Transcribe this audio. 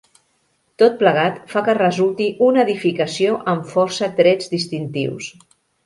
Tot plegat fa que resulti una edificació amb força trets distintius.